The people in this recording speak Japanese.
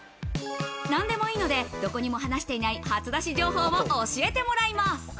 何でもいいので、どこにも話していない初だし情報を教えてもらいます。